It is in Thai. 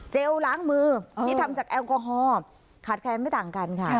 ล้างมือที่ทำจากแอลกอฮอล์ขาดแคลนไม่ต่างกันค่ะ